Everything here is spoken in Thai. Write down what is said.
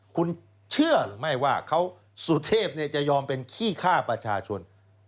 คุณเชื่อหรือไม่ว่าสุเทพจะยอมเป็นขี้ฆ่าประชาชน